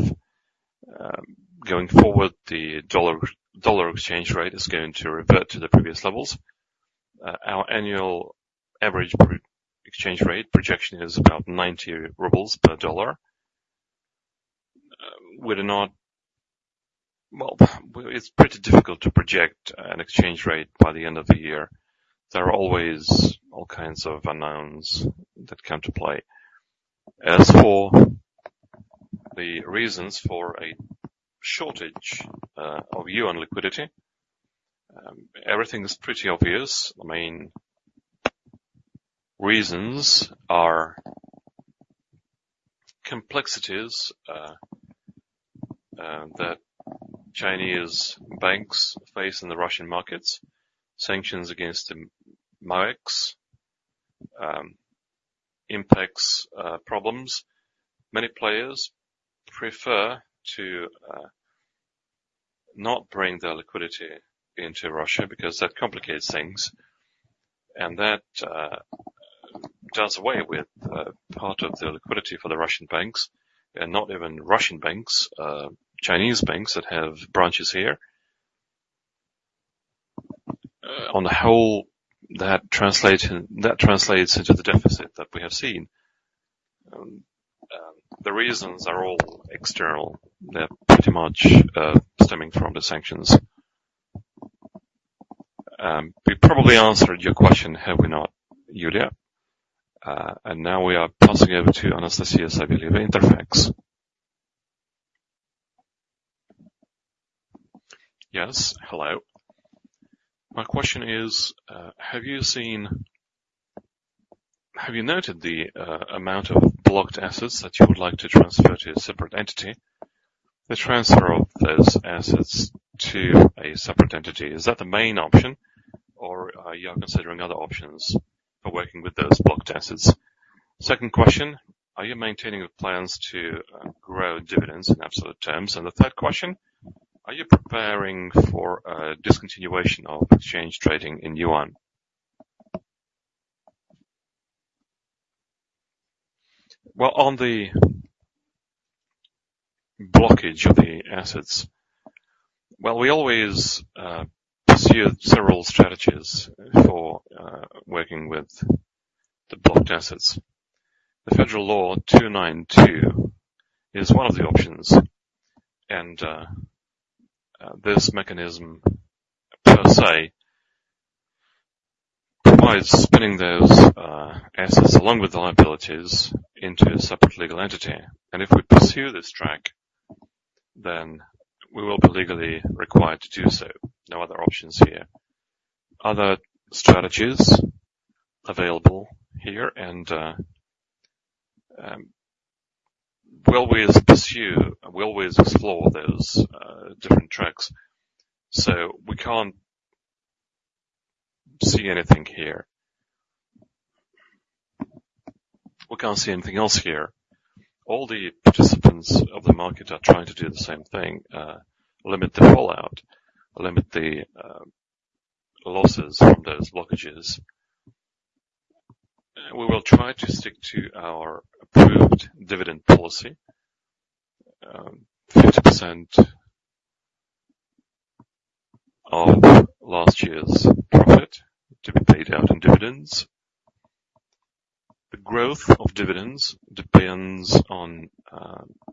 B: Going forward, the dollar exchange rate is going to revert to the previous levels. Our annual average exchange rate projection is about 90 rubles per dollar. We're not, well, it's pretty difficult to project an exchange rate by the end of the year. There are always all kinds of unknowns that come to play. As for the reasons for a shortage of yuan liquidity, everything is pretty obvious. The main reasons are complexities that Chinese banks face in the Russian markets, sanctions against the markets, impacts, problems. Many players prefer to not bring their liquidity into Russia because that complicates things. That does away with part of the liquidity for the Russian banks and not even Russian banks, Chinese banks that have branches here. On the whole, that translates into the deficit that we have seen. The reasons are all external. They're pretty much stemming from the sanctions. We probably answered your question, have we not, Yulia? Now we are passing over to Anastasia, I believe, Interfax.
G: Yes, hello. My question is, have you seen, have you noted the amount of blocked assets that you would like to transfer to a separate entity? The transfer of those assets to a separate entity, is that the main option, or are you considering other options for working with those blocked assets? Second question, are you maintaining plans to grow dividends in absolute terms? And the third question, are you preparing for a discontinuation of exchange trading in yuan?
B: Well, on the blockage of the assets, well, we always pursued several strategies for working with the blocked assets. The Federal Law 292 is one of the options. This mechanism, per se, provides spinning those assets along with the liabilities into a separate legal entity. If we pursue this track, then we will be legally required to do so. No other options here. Other strategies available here, and we'll always pursue, we'll always explore those different tracks. So we can't see anything here. We can't see anything else here. All the participants of the market are trying to do the same thing: limit the rollout, limit the losses from those blockages. We will try to stick to our approved dividend policy: 50% of last year's profit to be paid out in dividends. The growth of dividends depends on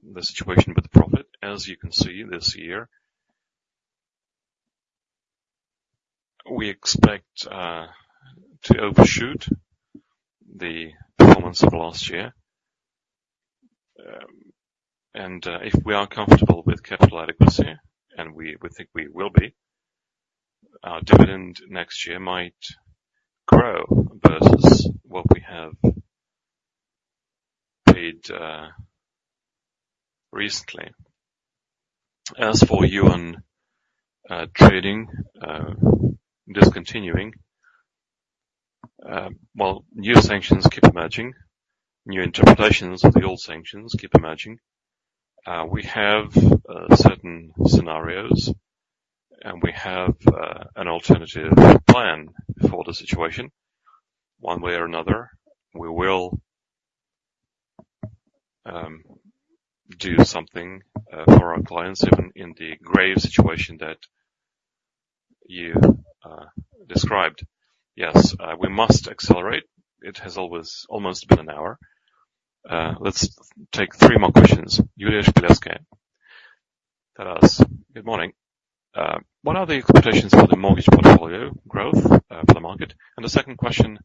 B: the situation with the profit. As you can see this year, we expect to overshoot the performance of last year. And if we are comfortable with capital adequacy, and we think we will be, our dividend next year might grow versus what we have paid recently. As for yuan trading discontinuing, well, new sanctions keep emerging. New interpretations of the old sanctions keep emerging. We have certain scenarios, and we have an alternative plan for the situation. One way or another, we will do something for our clients, even in the grave situation that you described. Yes, we must accelerate. It has almost been an hour. Let's take three more questions. Yulia Shpilerskaya. Taras, good morning. What are the expectations for the mortgage portfolio growth for the market? And the second question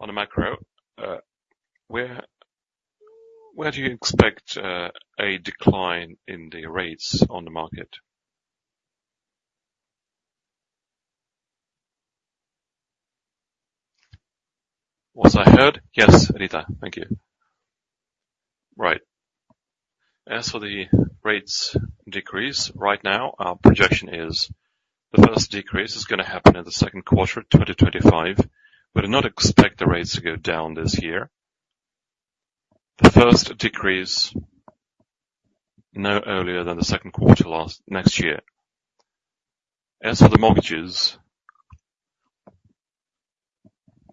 B: on the macro, where do you expect a decline in the rates on the market? Was I heard? Yes, Rita. Thank you. Right. As for the rates decrease, right now, our projection is the first decrease is going to happen in the second quarter of 2025. We do not expect the rates to go down this year. The first decrease no earlier than the second quarter next year. As for the mortgages,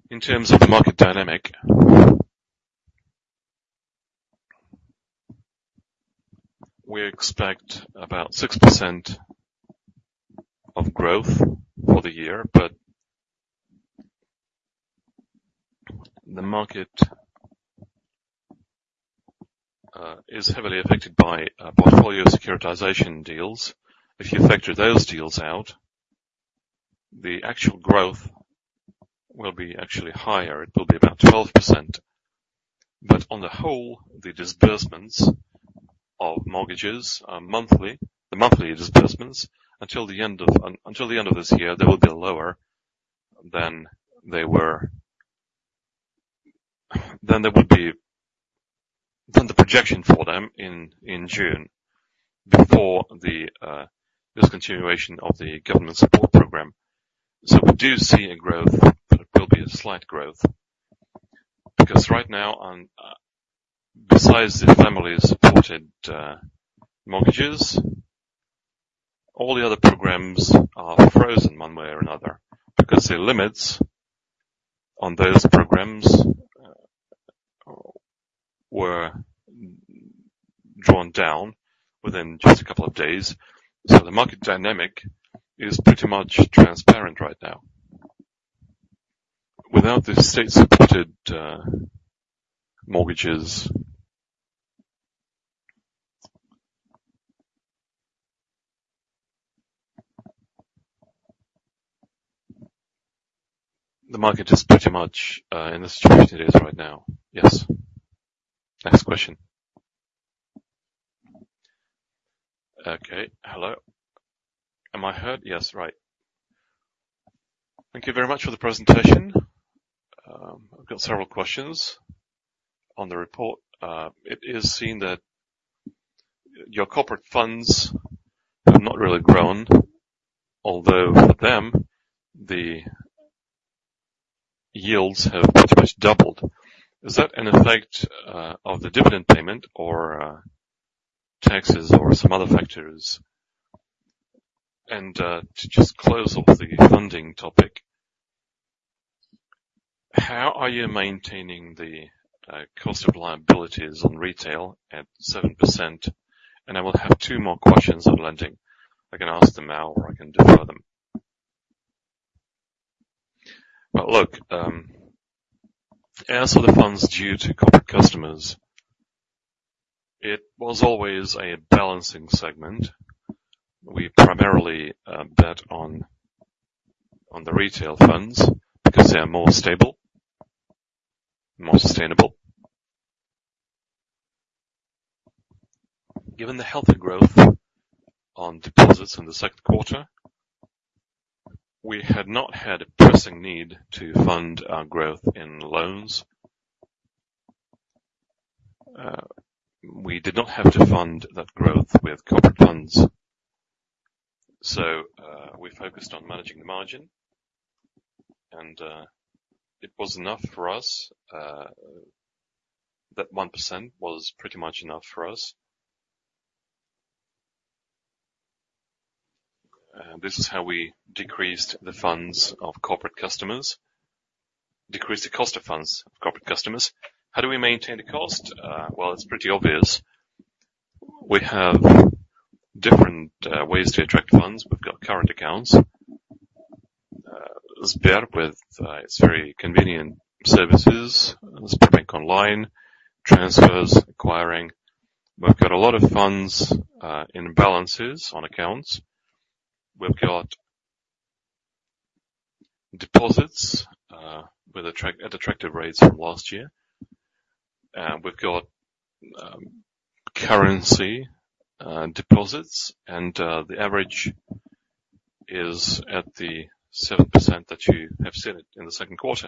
B: in terms of the market dynamic, we expect about 6% of growth for the year, but the market is heavily affected by portfolio securitization deals. If you factor those deals out, the actual growth will be actually higher. It will be about 12%. But on the whole, the disbursements of mortgages monthly, the monthly disbursements until the end of this year, they will be lower than they were than the projection for them in June before the discontinuation of the government support program. So we do see a growth, but it will be a slight growth because right now, besides the family-supported mortgages, all the other programs are frozen one way or another because the limits on those programs were drawn down within just a couple of days. So the market dynamic is pretty much transparent right now. Without the state-supported mortgages, the market is pretty much in the situation it is right now. Yes. Next question. Okay. Hello. Am I heard? Yes. Right. Thank you very much for the presentation. I've got several questions on the report. It is seen that your corporate funds have not really grown, although for them, the yields have pretty much doubled. Is that an effect of the dividend payment or taxes or some other factors? And to just close off the funding topic, how are you maintaining the cost of liabilities on retail at 7%? And I will have two more questions on lending. I can ask them now, or I can defer them. But look, as for the funds due to corporate customers, it was always a balancing segment. We primarily bet on the retail funds because they are more stable, more sustainable. Given the healthy growth on deposits in the second quarter, we had not had a pressing need to fund our growth in loans. We did not have to fund that growth with corporate funds. So we focused on managing the margin. And it was enough for us that 1% was pretty much enough for us. This is how we decreased the funds of corporate customers, decreased the cost of funds of corporate customers. How do we maintain the cost? Well, it's pretty obvious. We have different ways to attract funds. We've got current accounts, Sber with its very convenient services, Sberbank Online, transfers, acquiring. We've got a lot of funds in balances on accounts. We've got deposits at attractive rates from last year. We've got currency deposits, and the average is at the 7% that you have seen in the second quarter.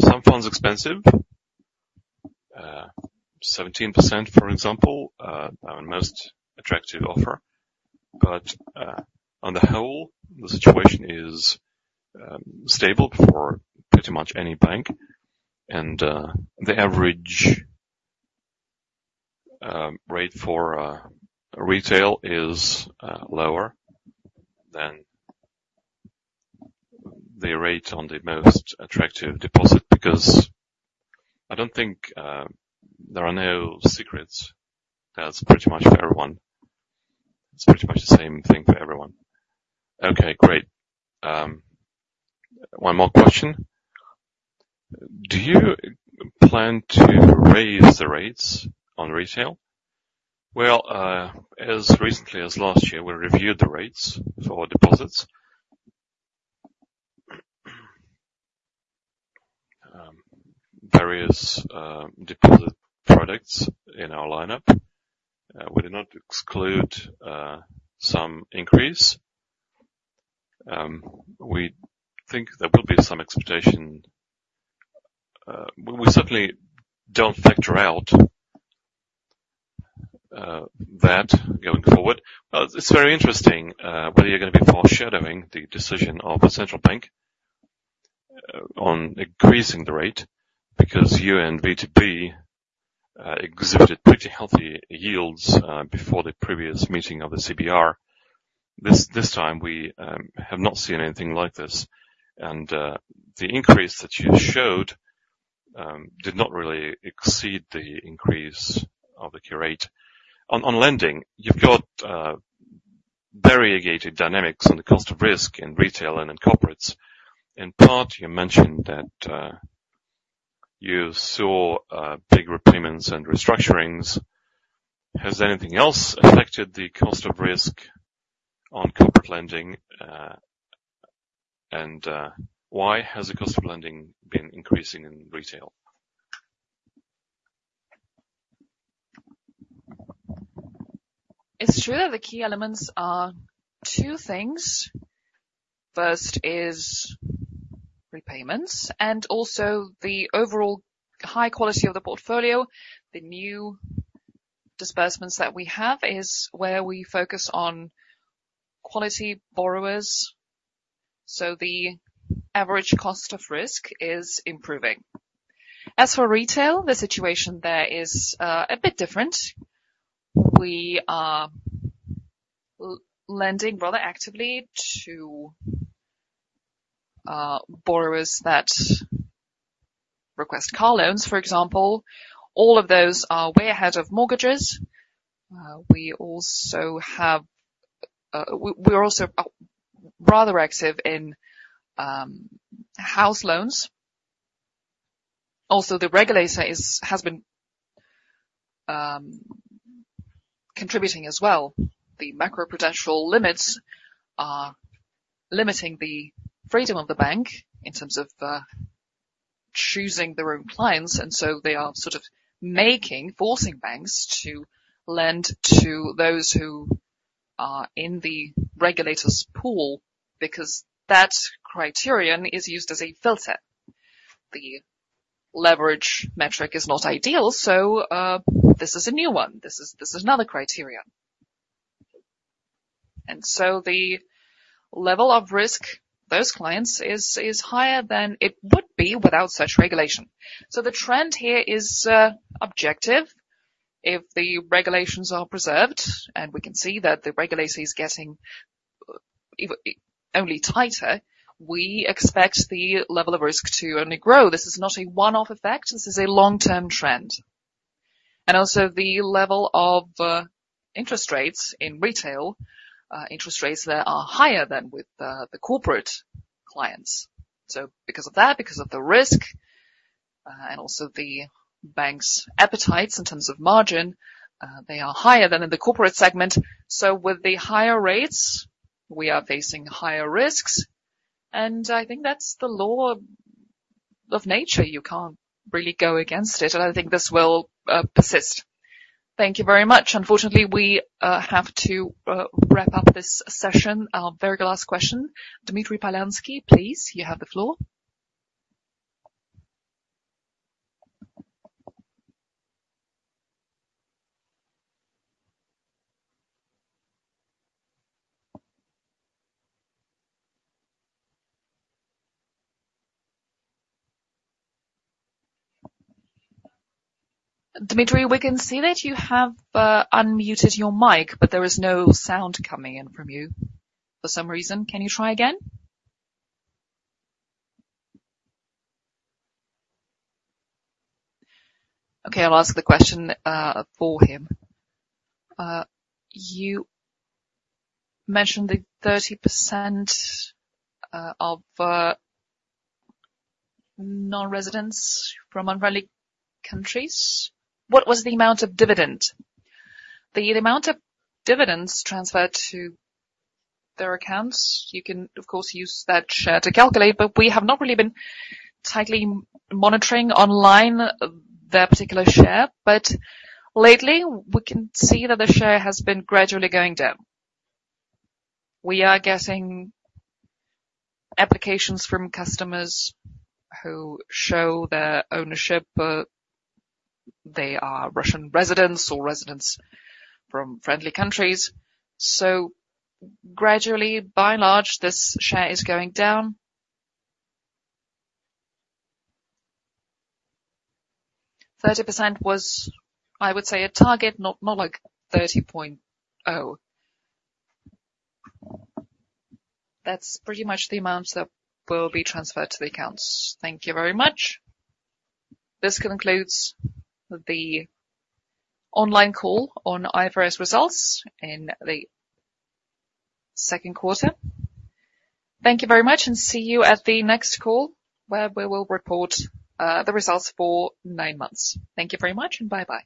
B: Some funds are expensive, 17%, for example, our most attractive offer. But on the whole, the situation is stable for pretty much any bank. And the average rate for retail is lower than the rate on the most attractive deposit because I don't think there are no secrets. That's pretty much for everyone. It's pretty much the same thing for everyone. Okay. Great. One more question. Do you plan to raise the rates on retail? Well, as recently as last year, we reviewed the rates for deposits. Various deposit products in our lineup. We do not exclude some increase. We think there will be some expectation. We certainly don't factor out that going forward. Well, it's very interesting whether you're going to be foreshadowing the decision of a central bank on increasing the rate because you and VTB exhibited pretty healthy yields before the previous meeting of the CBR. This time, we have not seen anything like this. The increase that you showed did not really exceed the increase of the rate. On lending, you've got varied dynamics on the cost of risk in retail and in corporates. In part, you mentioned that you saw bigger repayments and restructurings. Has anything else affected the cost of risk on corporate lending? And why has the cost of lending been increasing in retail? It's true that the key elements are two things. First is repayments. Also, the overall high quality of the portfolio, the new disbursements that we have is where we focus on quality borrowers. So the average cost of risk is improving. As for retail, the situation there is a bit different. We are lending rather actively to borrowers that request car loans, for example. All of those are way ahead of mortgages. We're also rather active in house loans. Also, the regulator has been contributing as well. The macroprudential limits are limiting the freedom of the bank in terms of choosing their own clients. And so they are sort of making, forcing banks to lend to those who are in the regulator's pool because that criterion is used as a filter. The leverage metric is not ideal. So this is a new one. This is another criterion. And so the level of risk, those clients, is higher than it would be without such regulation. So the trend here is objective. If the regulations are preserved and we can see that the regulator is getting only tighter, we expect the level of risk to only grow. This is not a one-off effect. This is a long-term trend. And also, the level of interest rates in retail, interest rates that are higher than with the corporate clients. So because of that, because of the risk, and also the bank's appetites in terms of margin, they are higher than in the corporate segment. So with the higher rates, we are facing higher risks. And I think that's the law of nature. You can't really go against it. And I think this will persist. Thank you very much. Unfortunately, we have to wrap up this session. Our very last question. Dmitry Polansky, please. You have the floor. Dmitry, we can see that you have unmuted your mic, but there is no sound coming in from you for some reason. Can you try again? Okay. I'll ask the question for him. You mentioned the 30% of non-residents from unfriendly countries. What was the amount of dividend? The amount of dividends transferred to their accounts. You can, of course, use that share to calculate, but we have not really been tightly monitoring online their particular share. But lately, we can see that the share has been gradually going down. We are getting applications from customers who show their ownership. They are Russian residents or residents from friendly countries. So gradually, by and large, this share is going down. 30% was, I would say, a target, not like 30.0. That's pretty much the amounts that will be transferred to the accounts. Thank you very much. This concludes the online call on IFRS results in the second quarter. Thank you very much, and see you at the next call where we will report the results for nine months. Thank you very much, and bye-bye.